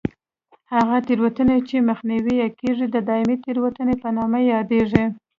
هغه تېروتنې چې مخنیوی یې کېږي د دایمي تېروتنې په نامه یادېږي.